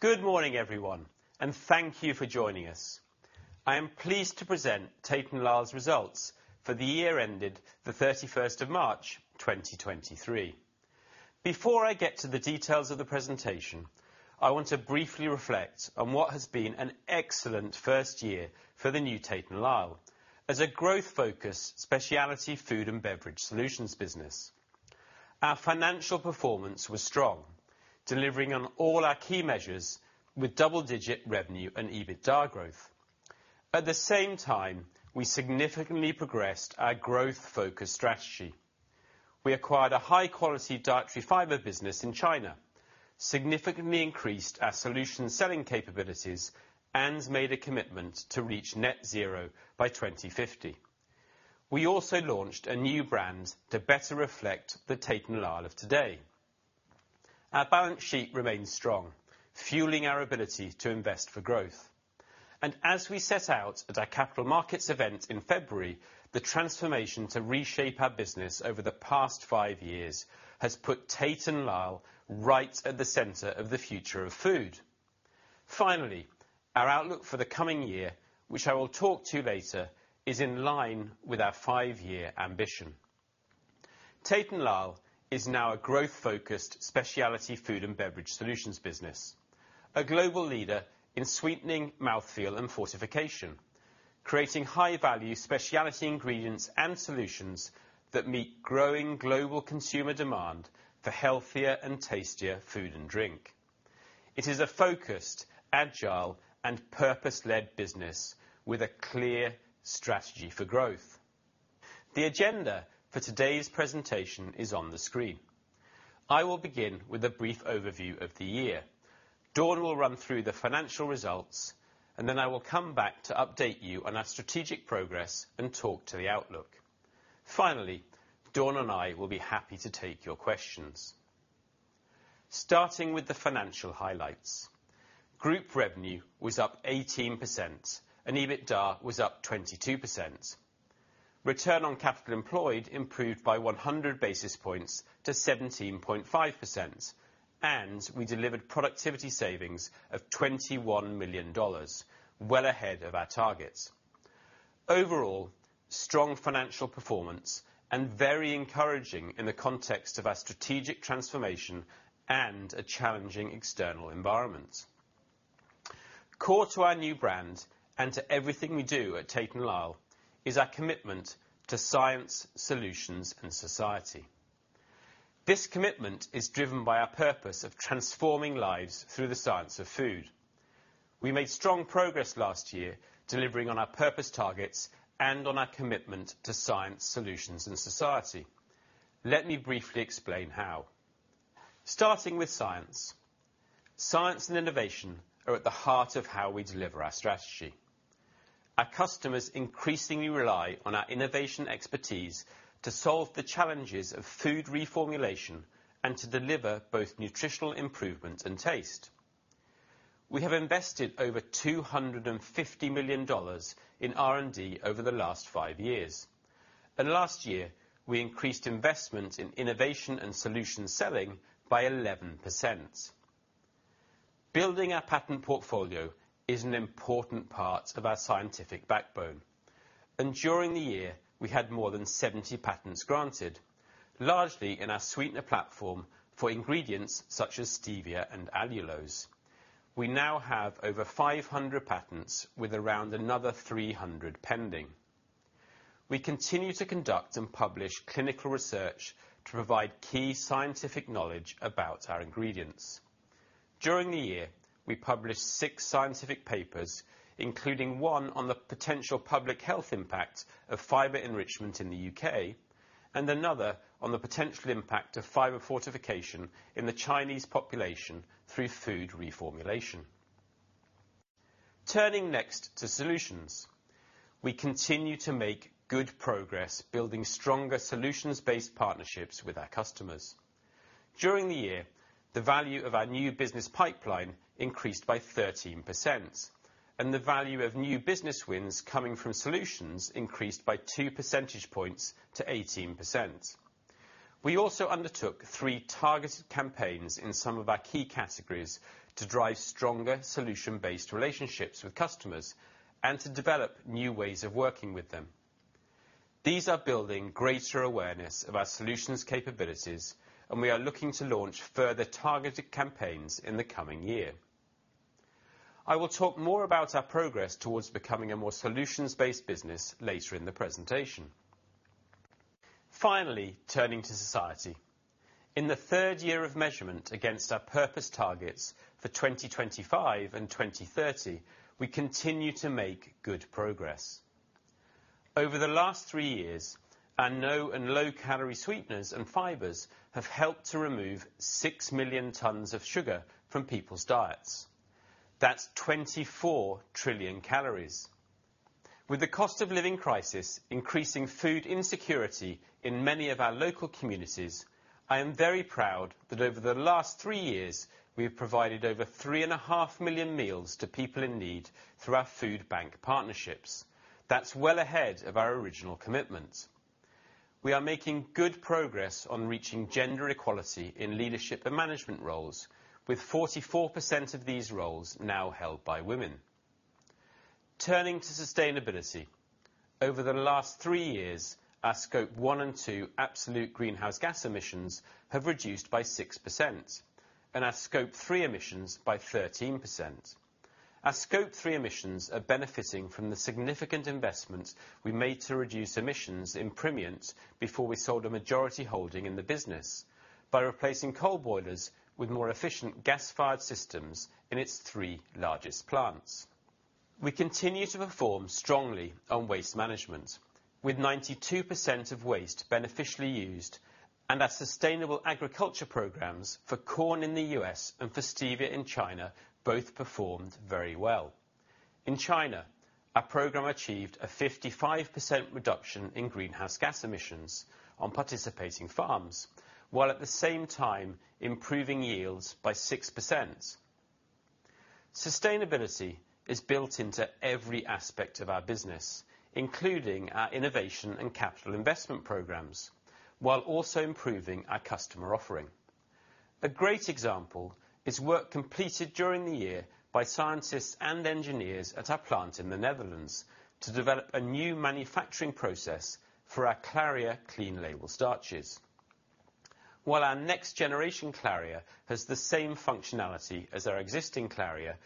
Good morning, everyone, and thank you for joining us. I am pleased to present Tate & Lyle's results for the year ended the 31st of March 2023. Before I get to the details of the presentation, I want to briefly reflect on what has been an excellent first year for the new Tate & Lyle as a growth-focused specialty Food & Beverage Solutions business. Our financial performance was strong, delivering on all our key measures with double-digit revenue and EBITDA growth. At the same time, we significantly progressed our growth focus strategy. We acquired a high-quality dietary fiber business in China, significantly increased our solution selling capabilities, and made a commitment to reach net zero by 2050. We also launched a new brand to better reflect the Tate & Lyle of today. Our balance sheet remains strong, fueling our ability to invest for growth. As we set out at our capital markets event in February, the transformation to reshape our business over the past five years has put Tate & Lyle right at the center of the future of food. Our outlook for the coming year, which I will talk to later, is in line with our five-year ambition. Tate & Lyle is now a growth-focused specialty food and beverage solutions business, a global leader in sweetening mouthfeel and fortification, creating high value specialty ingredients and solutions that meet growing global consumer demand for healthier and tastier food and drink. It is a focused, agile, and purpose-led business with a clear strategy for growth. The agenda for today's presentation is on the screen. I will begin with a brief overview of the year. Dawn will run through the financial results, then I will come back to update you on our strategic progress and talk to the outlook. Dawn and I will be happy to take your questions. Starting with the financial highlights. Group revenue was up 18%, EBITDA was up 22%. Return on capital employed improved by 100 basis points to 17.5%, we delivered productivity savings of $21 million, well ahead of our targets. Overall, strong financial performance and very encouraging in the context of our strategic transformation and a challenging external environment. Core to our new brand and to everything we do at Tate & Lyle is our commitment to science, solutions, and society. This commitment is driven by our purpose of transforming lives through the science of food. We made strong progress last year, delivering on our purpose targets and on our commitment to science, solutions, and society. Let me briefly explain how. Starting with science. Science and innovation are at the heart of how we deliver our strategy. Our customers increasingly rely on our innovation expertise to solve the challenges of food reformulation and to deliver both nutritional improvement and taste. We have invested over $250 million in R&D over the last five years, and last year, we increased investment in innovation and solution selling by 11%. Building our patent portfolio is an important part of our scientific backbone, and during the year, we had more than 70 patents granted, largely in our sweetener platform for ingredients such as stevia and allulose. We now have over 500 patents, with around another 300 pending. We continue to conduct and publish clinical research to provide key scientific knowledge about our ingredients. During the year, we published six scientific papers, including one on the potential public health impact of fiber enrichment in the U.K. and another on the potential impact of fiber fortification in the Chinese population through food reformulation. Turning next to solutions, we continue to make good progress building stronger solutions-based partnerships with our customers. During the year, the value of our new business pipeline increased by 13%, and the value of new business wins coming from solutions increased by 2 percentage points to 18%. We also undertook three targeted campaigns in some of our key categories to drive stronger solution-based relationships with customers and to develop new ways of working with them. These are building greater awareness of our solutions capabilities, and we are looking to launch further targeted campaigns in the coming year. I will talk more about our progress towards becoming a more solutions-based business later in the presentation. Finally, turning to society. In the third year of measurement against our purpose targets for 2025 and 2030, we continue to make good progress. Over the last three years, our no and low-calorie sweeteners and fibers have helped to remove 6 million tons of sugar from people's diets. That's 24 trillion calories. With the cost of living crisis, increasing food insecurity in many of our local communities, I am very proud that over the last three years, we have provided over three and a half million meals to people in need through our food bank partnerships. That's well ahead of our original commitment. We are making good progress on reaching gender equality in leadership and management roles, with 44% of these roles now held by women. Turning to sustainability, over the last three years, our Scope 1 and 2 absolute greenhouse gas emissions have reduced by 6%, and our Scope 3 emissions by 13%. Our Scope 3 emissions are benefiting from the significant investments we made to reduce emissions in Primient before we sold a majority holding in the business, by replacing coal boilers with more efficient gas-fired systems in its three largest plants. We continue to perform strongly on waste management, with 92% of waste beneficially used, and our sustainable agriculture programs for corn in the U.S. and for stevia in China both performed very well. In China, our program achieved a 55% reduction in greenhouse gas emissions on participating farms, while at the same time improving yields by 6%. Sustainability is built into every aspect of our business, including our innovation and capital investment programs, while also improving our customer offering. A great example is work completed during the year by scientists and engineers at our plant in the Netherlands to develop a new manufacturing process for our CLARIA clean label starches. While our next generation CLARIA has the same functionality as our existing CLARIA,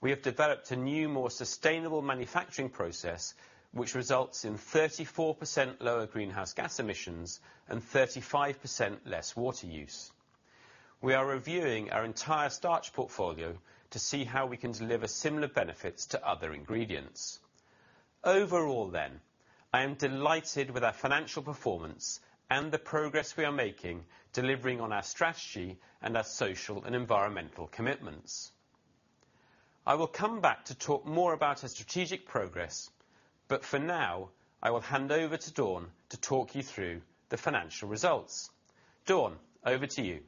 we have developed a new, more sustainable manufacturing process, which results in 34% lower greenhouse gas emissions and 35% less water use. We are reviewing our entire starch portfolio to see how we can deliver similar benefits to other ingredients. Overall, I am delighted with our financial performance and the progress we are making, delivering on our strategy and our social and environmental commitments. I will come back to talk more about our strategic progress, but for now, I will hand over to Dawn to talk you through the financial results. Dawn, over to you.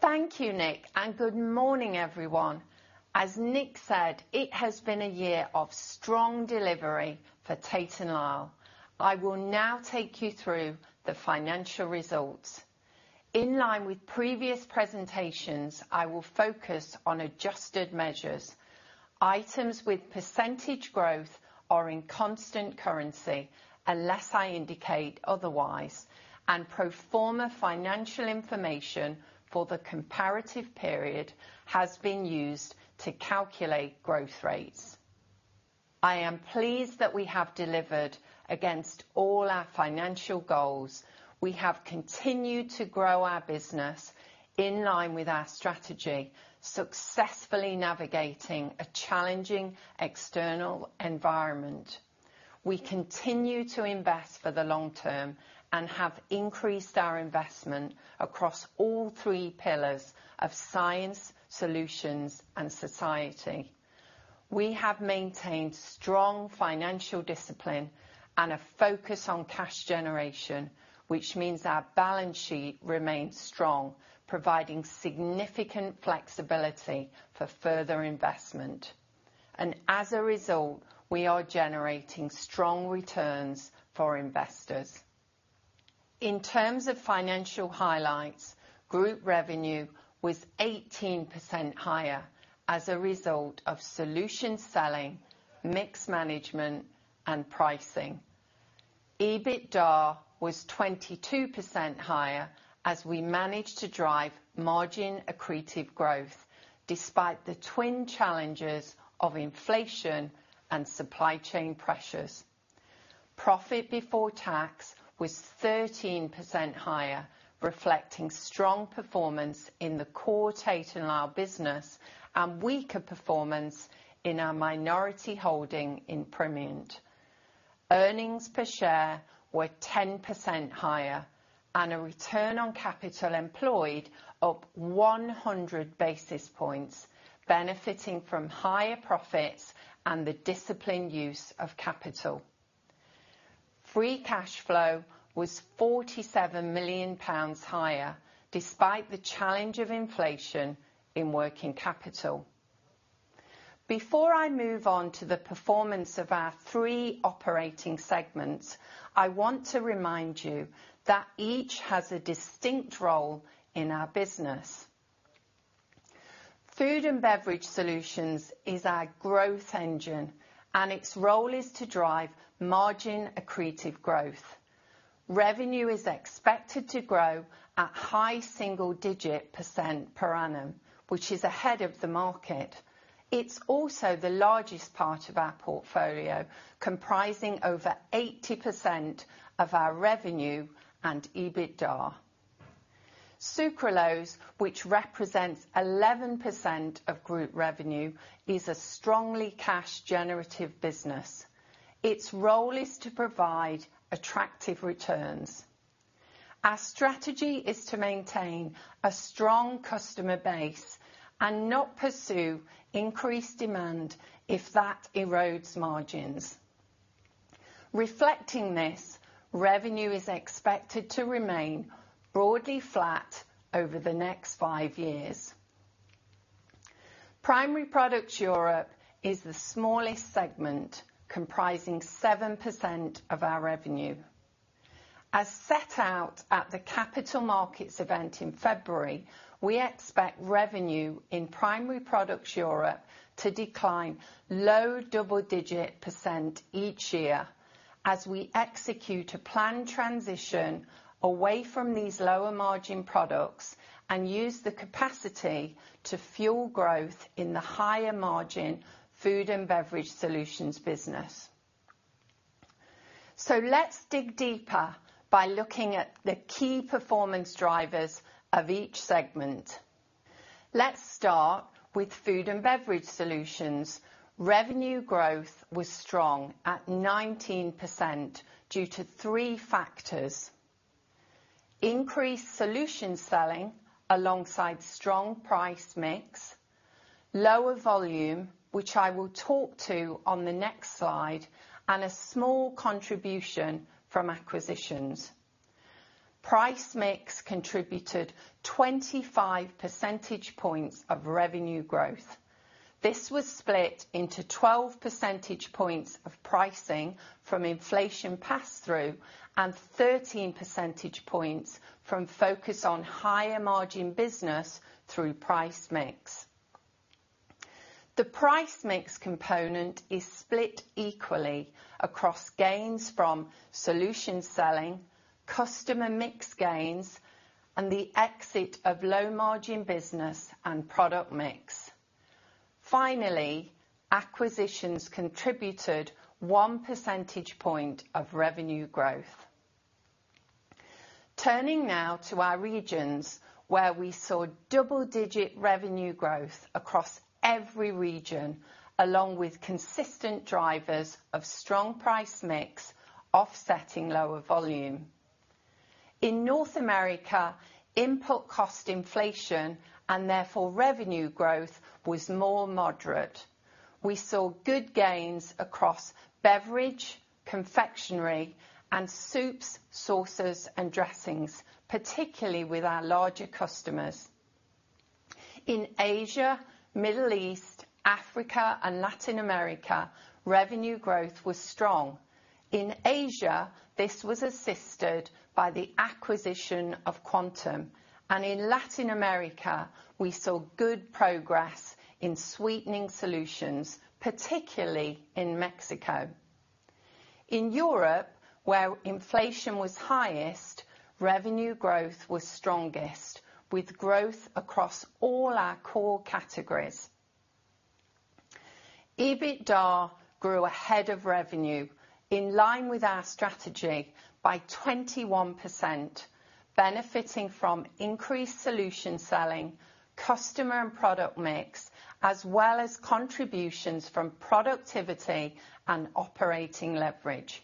Thank you, Nick. Good morning, everyone. As Nick said, it has been a year of strong delivery for Tate & Lyle. I will now take you through the financial results. In line with previous presentations, I will focus on adjusted measures. Items with percentage growth are in constant currency, unless I indicate otherwise. Pro forma financial information for the comparative period has been used to calculate growth rates. I am pleased that we have delivered against all our financial goals. We have continued to grow our business in line with our strategy, successfully navigating a challenging external environment. We continue to invest for the long term and have increased our investment across all three pillars of science, solutions, and society. We have maintained strong financial discipline and a focus on cash generation, which means our balance sheet remains strong, providing significant flexibility for further investment. As a result, we are generating strong returns for investors. In terms of financial highlights, group revenue was 18% higher as a result of solution selling, mix management, and pricing. EBITDA was 22% higher as we managed to drive margin accretive growth despite the twin challenges of inflation and supply chain pressures. Profit before tax was 13% higher, reflecting strong performance in the core Tate & Lyle business and weaker performance in our minority holding in Primient. Earnings per share were 10% higher, and a return on capital employed up 100 basis points, benefiting from higher profits and the disciplined use of capital. Free cash flow was 47 million pounds higher, despite the challenge of inflation in working capital. Before I move on to the performance of our three operating segments, I want to remind you that each has a distinct role in our business. Food & Beverage Solutions is our growth engine, its role is to drive margin accretive growth. Revenue is expected to grow at high single digit percent per annum, which is ahead of the market. It's also the largest part of our portfolio, comprising over 80% of our revenue and EBITDA. Sucralose, which represents 11% of group revenue, is a strongly cash generative business. Its role is to provide attractive returns. Our strategy is to maintain a strong customer base and not pursue increased demand if that erodes margins. Reflecting this, revenue is expected to remain broadly flat over the next five years. Primary products Europe is the smallest segment, comprising 7% of our revenue. As set out at the capital markets event in February, we expect revenue in primary products Europe to decline low double-digit percent each year as we execute a planned transition away from these lower margin products and use the capacity to fuel growth in the higher margin Food & Beverage Solutions business. Let's dig deeper by looking at the key performance drivers of each segment. Let's start with Food & Beverage Solutions. Revenue growth was strong at 19% due to three factors: increased solution selling alongside strong price mix, lower volume, which I will talk to on the next slide, and a small contribution from acquisitions. Price mix contributed 25 percentage points of revenue growth. This was split into 12 percentage points of pricing from inflation pass-through, and 13 percentage points from focus on higher margin business through price mix. The price mix component is split equally across gains from solution selling, customer mix gains, and the exit of low margin business and product mix. Finally, acquisitions contributed 1 percentage point of revenue growth. Turning now to our regions, where we saw double-digit revenue growth across every region, along with consistent drivers of strong price mix, offsetting lower volume. In North America, input cost inflation and therefore revenue growth was more moderate. We saw good gains across beverage, confectionery, and soups, sauces, and dressings, particularly with our larger customers. In Asia, Middle East, Africa, and Latin America, revenue growth was strong. In Asia, this was assisted by the acquisition of Quantum, and in Latin America, we saw good progress in sweetening solutions, particularly in Mexico. In Europe, where inflation was highest, revenue growth was strongest, with growth across all our core categories. EBITDA grew ahead of revenue, in line with our strategy by 21%, benefiting from increased solution selling, customer and product mix, as well as contributions from productivity and operating leverage.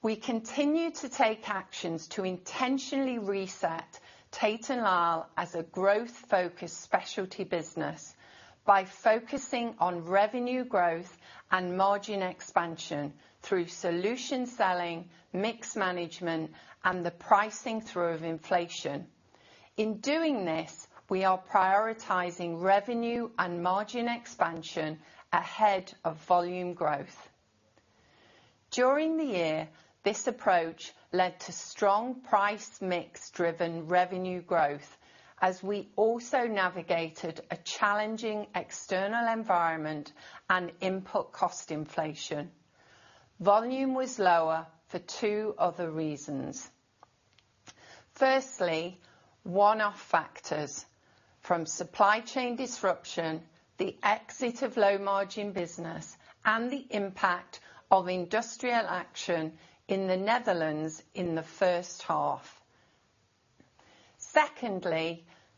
We continue to take actions to intentionally reset Tate & Lyle as a growth-focused specialty business by focusing on revenue growth and margin expansion through solution selling, mix management, and the pricing through of inflation. In doing this, we are prioritizing revenue and margin expansion ahead of volume growth. During the year, this approach led to strong price mix driven revenue growth, as we also navigated a challenging external environment and input cost inflation. Volume was lower for two other reasons. Firstly, one-off factors from supply chain disruption, the exit of low margin business, and the impact of industrial action in the Netherlands in the first half.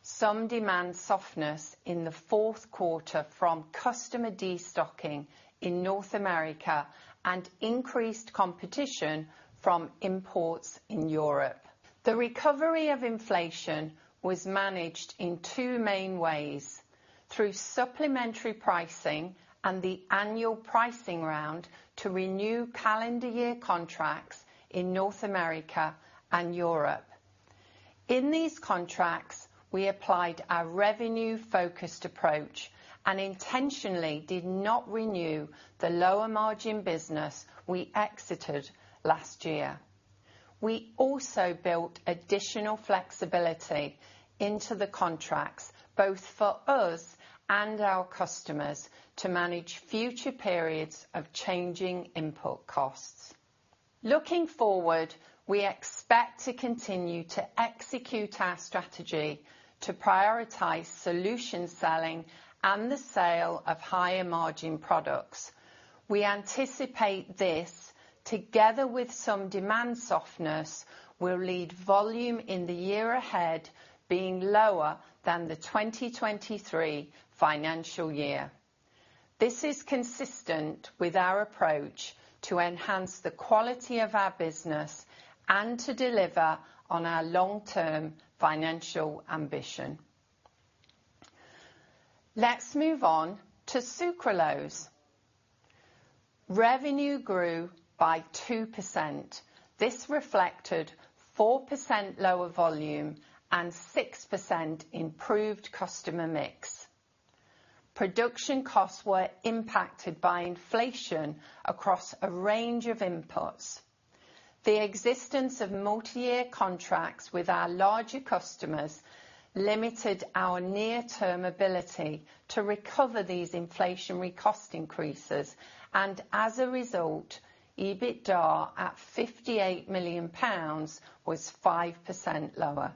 Some demand softness in the fourth quarter from customer destocking in North America and increased competition from imports in Europe. The recovery of inflation was managed in two main ways: through supplementary pricing and the annual pricing round to renew calendar year contracts in North America and Europe. In these contracts, we applied our revenue-focused approach and intentionally did not renew the lower margin business we exited last year. We also built additional flexibility into the contracts, both for us and our customers, to manage future periods of changing input costs. Looking forward, we expect to continue to execute our strategy to prioritize solution selling and the sale of higher margin products. We anticipate this, together with some demand softness, will lead volume in the year ahead being lower than the 2023 financial year. This is consistent with our approach to enhance the quality of our business and to deliver on our long-term financial ambition. Let's move on to Sucralose. Revenue grew by 2%. This reflected 4% lower volume and 6% improved customer mix. Production costs were impacted by inflation across a range of inputs. The existence of multi-year contracts with our larger customers limited our near-term ability to recover these inflationary cost increases. As a result, EBITDA, at 58 million pounds, was 5% lower.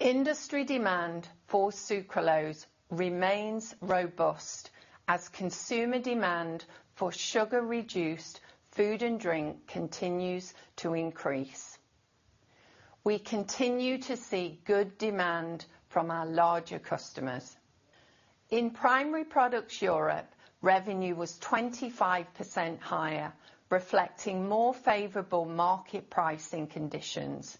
Industry demand for Sucralose remains robust as consumer demand for sugar-reduced food and drink continues to increase. We continue to see good demand from our larger customers. In primary products Europe, revenue was 25% higher, reflecting more favorable market pricing conditions.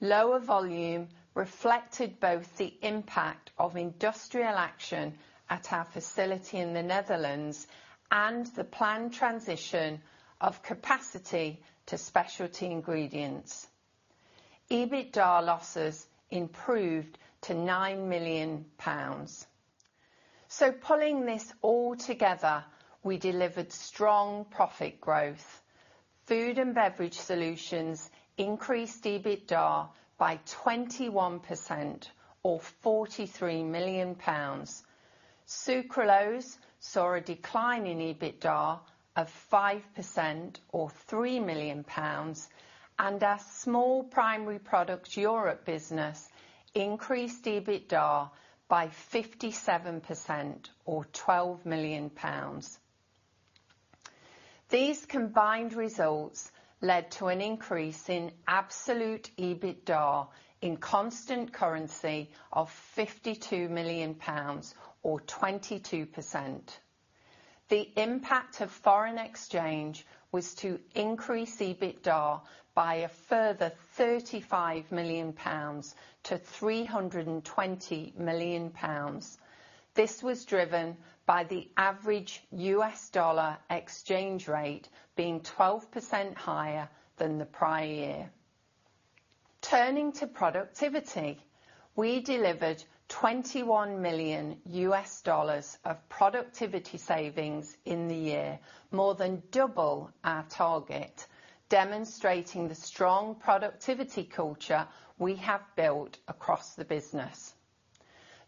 Lower volume reflected both the impact of industrial action at our facility in the Netherlands and the planned transition of capacity to specialty ingredients. EBITDA losses improved to 9 million pounds. Pulling this all together, we delivered strong profit growth. Food & Beverage Solutions increased EBITDA by 21% or GBP 43 million. Sucralose saw a decline in EBITDA of 5% or 3 million pounds, and our small primary products Europe business increased EBITDA by 57% or GBP 12 million. These combined results led to an increase in absolute EBITDA in constant currency of 52 million pounds or 22%. The impact of foreign exchange was to increase EBITDA by a further 35 million pounds to 320 million pounds. This was driven by the average U.S. dollar exchange rate being 12% higher than the prior year. Turning to productivity, we delivered $21 million of productivity savings in the year, more than double our target, demonstrating the strong productivity culture we have built across the business.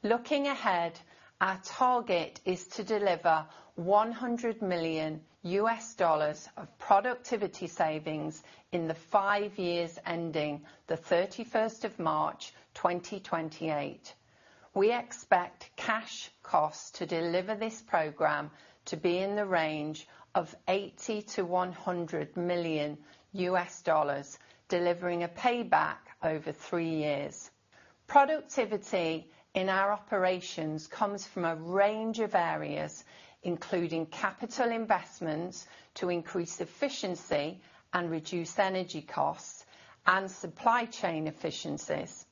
Looking ahead, our target is to deliver $100 million of productivity savings in the five years ending the 31st of March, 2028. We expect cash costs to deliver this program to be in the range of $80 million-$100 million, delivering a payback over three years. Productivity in our operations comes from a range of areas, including capital investments, to increase efficiency and reduce energy costs and supply chain efficiencies.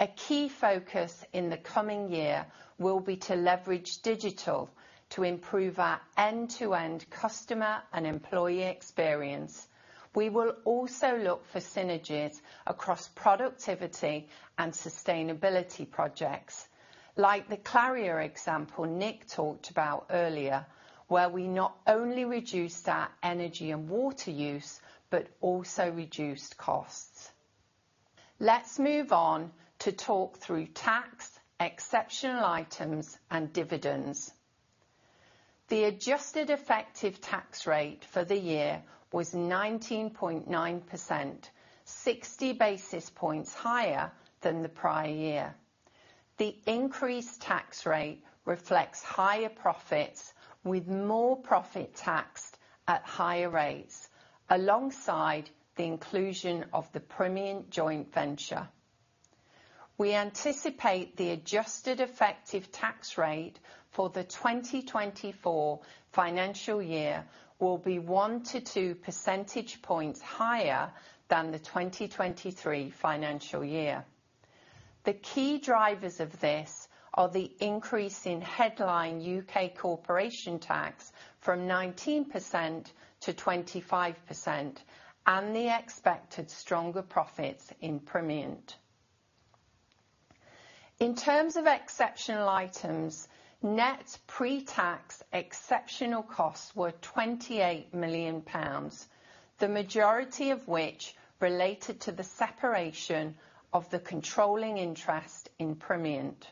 A key focus in the coming year will be to leverage digital to improve our end-to-end customer and employee experience. We will also look for synergies across productivity and sustainability projects, like the CLARIA example Nick talked about earlier, where we not only reduced our energy and water use, but also reduced costs. Let's move on to talk through tax, exceptional items, and dividends. The adjusted effective tax rate for the year was 19.9%, 60 basis points higher than the prior year. The increased tax rate reflects higher profits, with more profit taxed at higher rates, alongside the inclusion of the Primient joint venture. We anticipate the adjusted effective tax rate for the 2024 financial year will be 1-2 percentage points higher than the 2023 financial year. The key drivers of this are the increase in headline U.K. corporation tax from 19% to 25% and the expected stronger profits in Primient. In terms of exceptional items, net pre-tax exceptional costs were 28 million pounds, the majority of which related to the separation of the controlling interest in Primient.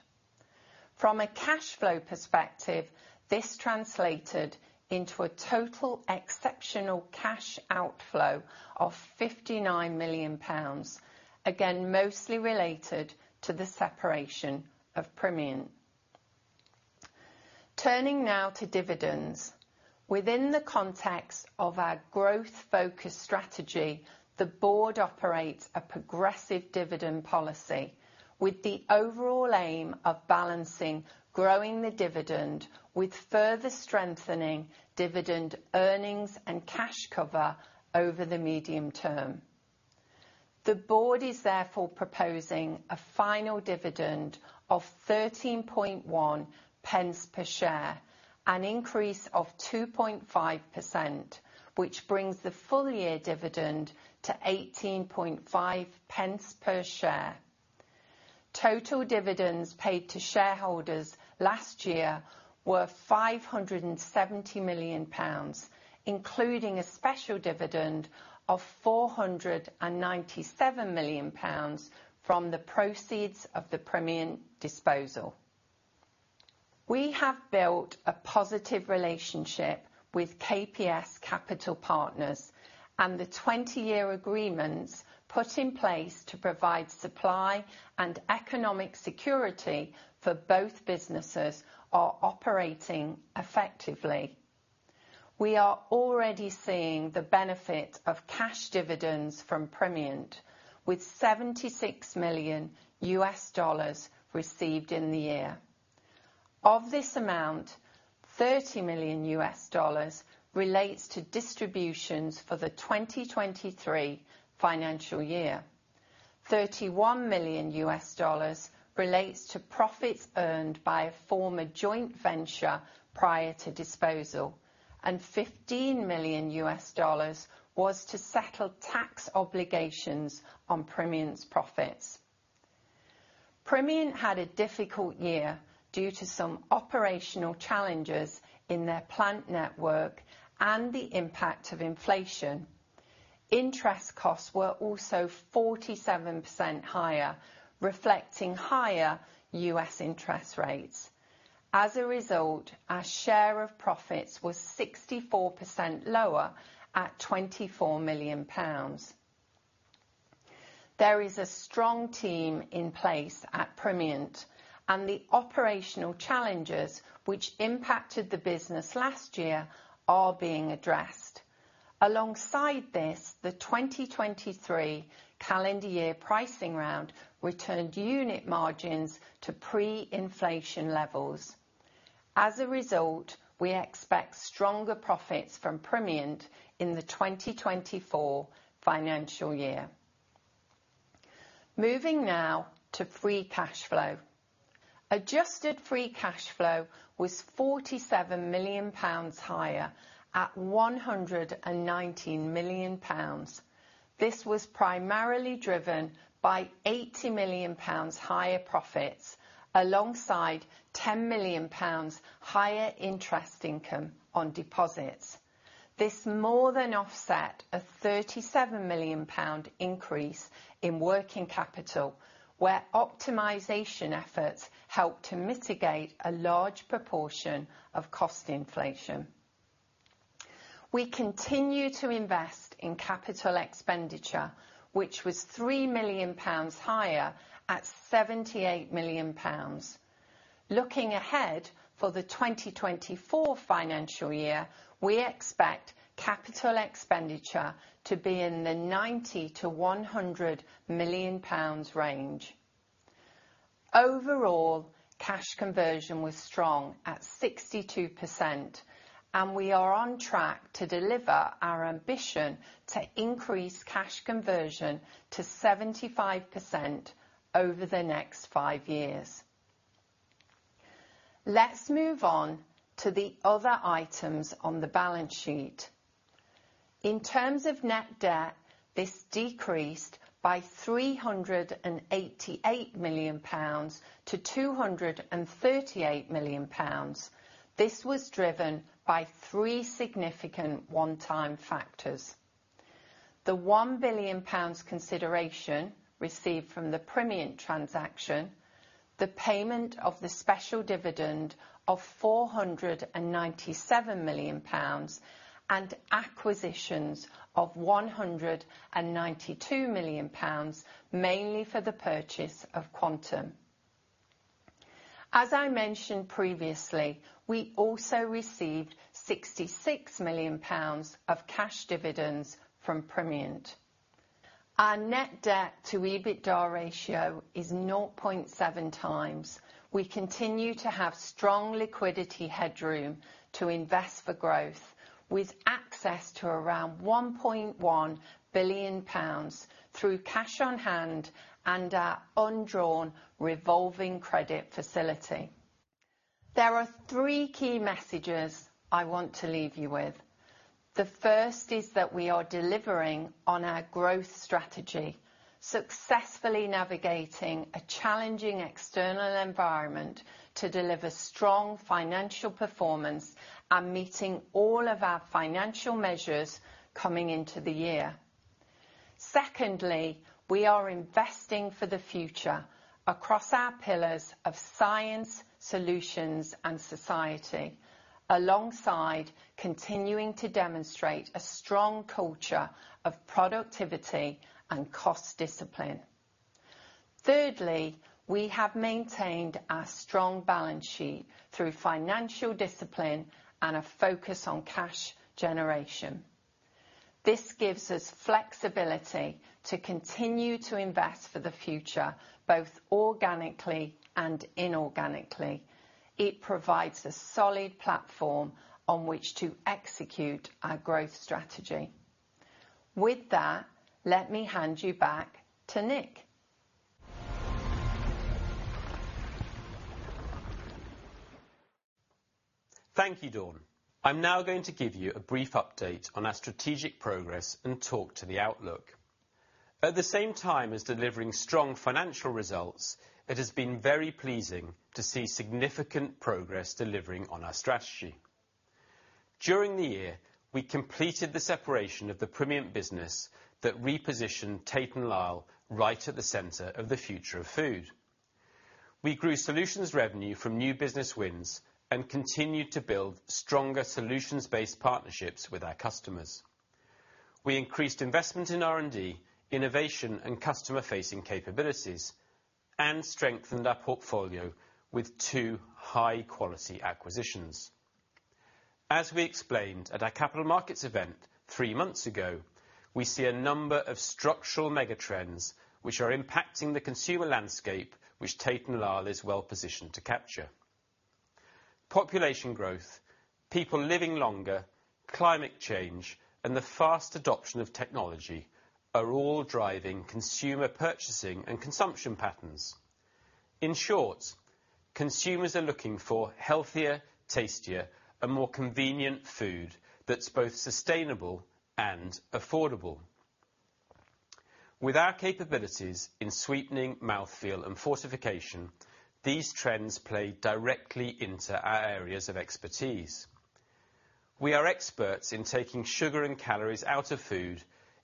From a cash flow perspective, this translated into a total exceptional cash outflow of 59 million pounds, again, mostly related to the separation of Primient. Turning now to dividends. Within the context of our growth-focused strategy, the board operates a progressive dividend policy, with the overall aim of balancing growing the dividend, with further strengthening dividend earnings and cash cover over the medium term. The board is therefore proposing a final dividend of 0.131 per share, an increase of 2.5%, which brings the full year dividend to 0.185 per share. Total dividends paid to shareholders last year were 570 million pounds, including a special dividend of 497 million pounds from the proceeds of the Primient disposal. We have built a positive relationship with KPS Capital Partners, and the 20-year agreements put in place to provide supply and economic security for both businesses are operating effectively. We are already seeing the benefit of cash dividends from Primient, with $76 million received in the year. Of this amount, $30 million relates to distributions for the 2023 financial year. $31 million relates to profits earned by a former joint venture prior to disposal, and $15 million was to settle tax obligations on Primient's profits. Primient had a difficult year due to some operational challenges in their plant network and the impact of inflation. Interest costs were also 47% higher, reflecting higher U.S. interest rates. As a result, our share of profits was 64% lower at 24 million pounds. There is a strong team in place at Primient, the operational challenges which impacted the business last year are being addressed. Alongside this, the 2023 calendar year pricing round returned unit margins to pre-inflation levels. We expect stronger profits from Primient in the 2024 financial year. Moving now to free cash flow. Adjusted free cash flow was 47 million pounds higher at 119 million pounds. This was primarily driven by 80 million pounds higher profits, alongside 10 million pounds higher interest income on deposits. This more than offset a 37 million pound increase in working capital, where optimization efforts helped to mitigate a large proportion of cost inflation. We continue to invest in capital expenditure, which was 3 million pounds higher at 78 million pounds. Looking ahead, for the 2024 financial year, we expect capital expenditure to be in the 90 million-100 million pounds range. Overall, cash conversion was strong at 62%, and we are on track to deliver our ambition to increase cash conversion to 75% over the next five years. Let's move on to the other items on the balance sheet. In terms of net debt, this decreased by 388 million pounds to 238 million pounds. This was driven by three significant one-time factors: the 1 billion pounds consideration received from the Primient transaction, the payment of the special dividend of 497 million pounds, and acquisitions of 192 million pounds, mainly for the purchase of Quantum. As I mentioned previously, we also received 66 million pounds of cash dividends from Primient. Our net debt to EBITDA ratio is 0.7x. We continue to have strong liquidity headroom to invest for growth, with access to around 1.1 billion pounds through cash on hand and our undrawn revolving credit facility. There are three key messages I want to leave you with. The first is that we are delivering on our growth strategy, successfully navigating a challenging external environment to deliver strong financial performance and meeting all of our financial measures coming into the year. Secondly, we are investing for the future across our pillars of science, solutions, and society, alongside continuing to demonstrate a strong culture of productivity and cost discipline. Thirdly, we have maintained our strong balance sheet through financial discipline and a focus on cash generation. This gives us flexibility to continue to invest for the future, both organically and inorganically. It provides a solid platform on which to execute our growth strategy. With that, let me hand you back to Nick. Thank you, Dawn. I'm now going to give you a brief update on our strategic progress and talk to the outlook. At the same time as delivering strong financial results, it has been very pleasing to see significant progress delivering on our strategy. During the year, we completed the separation of the Primient business that repositioned Tate & Lyle right at the center of the future of food. We grew solutions revenue from new business wins, and continued to build stronger solutions-based partnerships with our customers. We increased investment in R&D, innovation, and customer-facing capabilities, and strengthened our portfolio with two high-quality acquisitions. As we explained at our capital markets event three months ago, we see a number of structural mega trends which are impacting the consumer landscape, which Tate & Lyle is well positioned to capture. Population growth, people living longer, climate change, and the fast adoption of technology are all driving consumer purchasing and consumption patterns. In short, consumers are looking for healthier, tastier, and more convenient food that's both sustainable and affordable. With our capabilities in sweetening, mouthfeel, and fortification, these trends play directly into our areas of expertise. We are experts in taking sugar and calories out of food,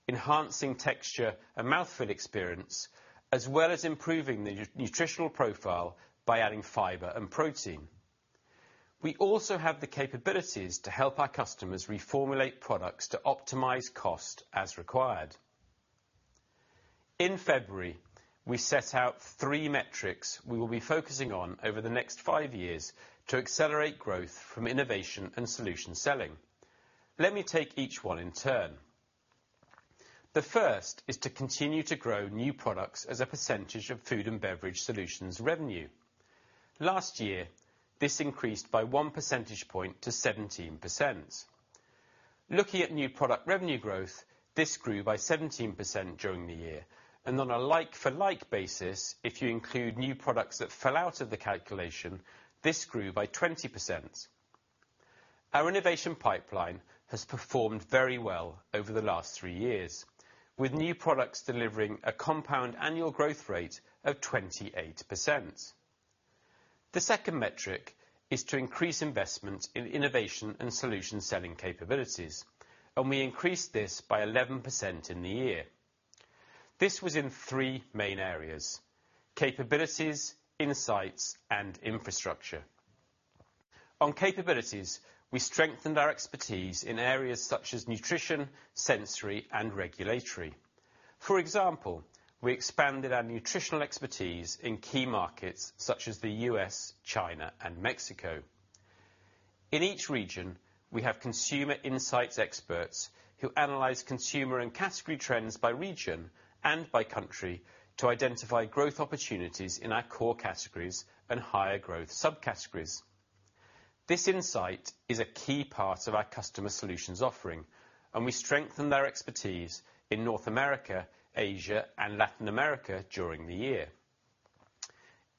enhancing texture and mouthfeel experience, as well as improving the nutritional profile by adding fiber and protein. We also have the capabilities to help our customers reformulate products to optimize cost as required. In February, we set out three metrics we will be focusing on over the next five years to accelerate growth from innovation and solution selling. Let me take each one in turn. The first is to continue to grow new products as a percentage of Food & Beverage Solutions revenue. Last year, this increased by 1 percentage point to 17%. Looking at new product revenue growth, this grew by 17% during the year, and on a like for like basis, if you include new products that fell out of the calculation, this grew by 20%. Our innovation pipeline has performed very well over the last three years, with new products delivering a compound annual growth rate of 28%. The second metric is to increase investment in innovation and solution selling capabilities, and we increased this by 11% in the year. This was in three main areas: capabilities, insights, and infrastructure. On capabilities, we strengthened our expertise in areas such as nutrition, sensory, and regulatory. For example, we expanded our nutritional expertise in key markets such as the U.S., China, and Mexico. In each region, we have consumer insights experts who analyze consumer and category trends by region and by country to identify growth opportunities in our core categories and higher growth subcategories. This insight is a key part of our customer solutions offering, and we strengthened our expertise in North America, Asia, and Latin America during the year.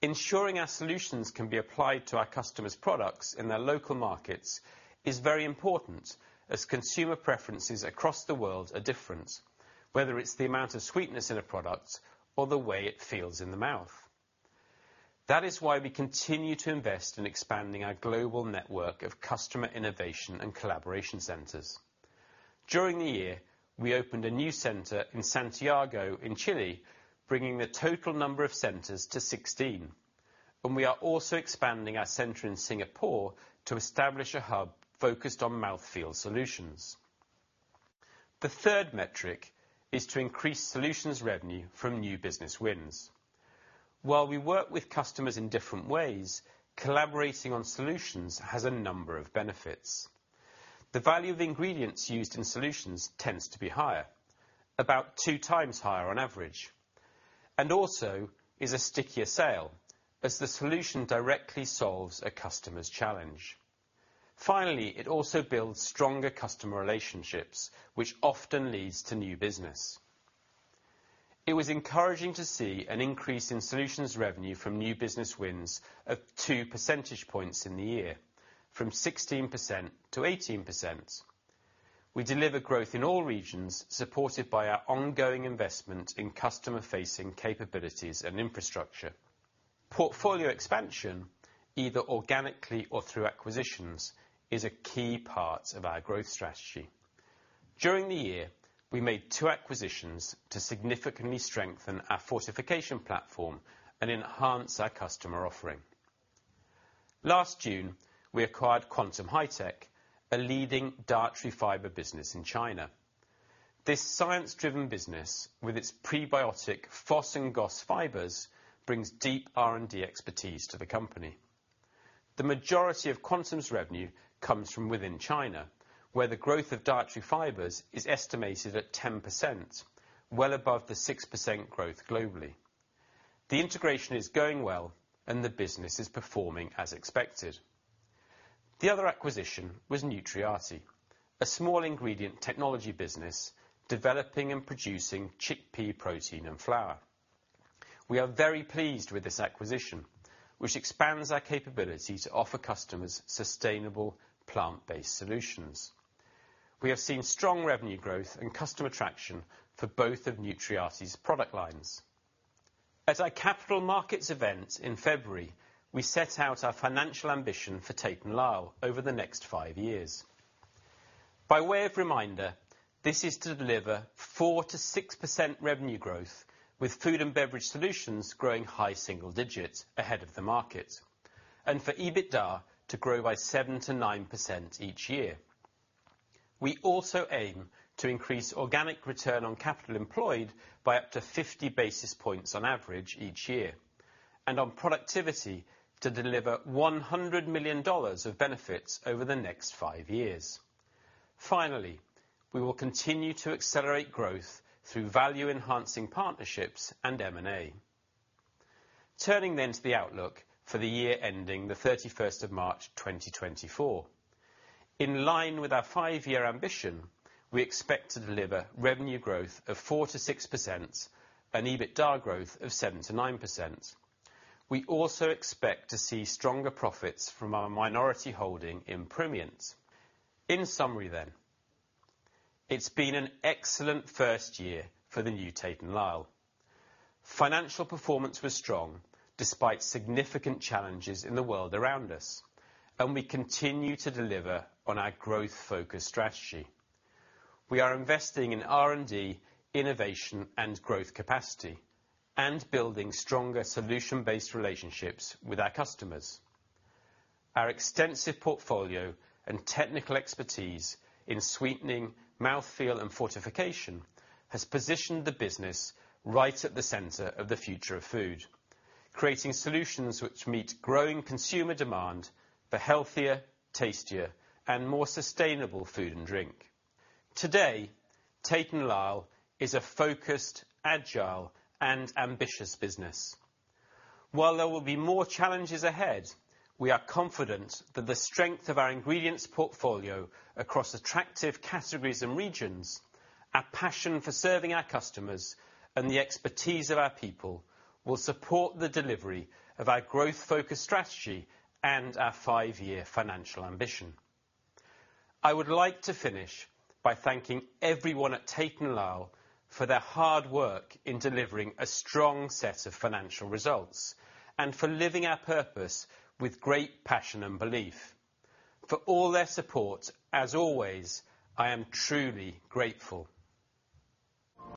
Ensuring our solutions can be applied to our customers' products in their local markets is very important, as consumer preferences across the world are different, whether it's the amount of sweetness in a product or the way it feels in the mouth. That is why we continue to invest in expanding our global network of customer innovation and collaboration centers. During the year, we opened a new center in Santiago, in Chile, bringing the total number of centers to 16, and we are also expanding our center in Singapore to establish a hub focused on mouthfeel solutions. The third metric is to increase solutions revenue from new business wins. While we work with customers in different ways, collaborating on solutions has a number of benefits. The value of the ingredients used in solutions tends to be higher, about 2x higher on average, and also is a stickier sale, as the solution directly solves a customer's challenge. Finally, it also builds stronger customer relationships, which often leads to new business. It was encouraging to see an increase in solutions revenue from new business wins of 2 percentage points in the year, from 16% to 18%. We delivered growth in all regions, supported by our ongoing investment in customer-facing capabilities and infrastructure. Portfolio expansion, either organically or through acquisitions, is a key part of our growth strategy. During the year, we made two acquisitions to significantly strengthen our fortification platform and enhance our customer offering. Last June, we acquired Quantum Hi-Tech, a leading dietary fiber business in China. This science-driven business, with its prebiotic FOS and GOS fibers, brings deep R&D expertise to the company. The majority of Quantum's revenue comes from within China, where the growth of dietary fibers is estimated at 10%, well above the 6% growth globally. The integration is going well, and the business is performing as expected. The other acquisition was Nutriati, a small ingredient technology business developing and producing chickpea protein and flour. We are very pleased with this acquisition, which expands our capability to offer customers sustainable plant-based solutions. We have seen strong revenue growth and customer traction for both of Nutriati's product lines. At our capital markets event in February, we set out our financial ambition for Tate & Lyle over the next five years. By way of reminder, this is to deliver 4%-6% revenue growth, with Food & Beverage Solutions growing high single digits ahead of the market, and for EBITDA to grow by 7%-9% each year. We also aim to increase organic return on capital employed by up to 50 basis points on average each year, and on productivity, to deliver $100 million of benefits over the next five years. Finally, we will continue to accelerate growth through value-enhancing partnerships and M&A. Turning to the outlook for the year ending the 31st of March, 2024. In line with our five-year ambition, we expect to deliver revenue growth of 4%-6% and EBITDA growth of 7%-9%. We also expect to see stronger profits from our minority holding in Primient. In summary, it's been an excellent first year for the new Tate & Lyle. Financial performance was strong despite significant challenges in the world around us, and we continue to deliver on our growth-focused strategy. We are investing in R&D, innovation, and growth capacity, and building stronger solution-based relationships with our customers. Our extensive portfolio and technical expertise in sweetening, mouthfeel, and fortification has positioned the business right at the center of the future of food, creating solutions which meet growing consumer demand for healthier, tastier, and more sustainable food and drink. Today, Tate & Lyle is a focused, agile, and ambitious business. While there will be more challenges ahead, we are confident that the strength of our ingredients portfolio across attractive categories and regions, our passion for serving our customers, and the expertise of our people will support the delivery of our growth-focused strategy and our five-year financial ambition. I would like to finish by thanking everyone at Tate & Lyle for their hard work in delivering a strong set of financial results, and for living our purpose with great passion and belief. For all their support, as always, I am truly grateful.